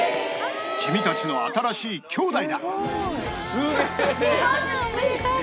君たちの新しいきょうだいだ。